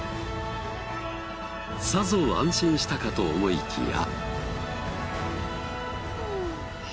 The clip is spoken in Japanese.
さぞ安心したかと思いきや。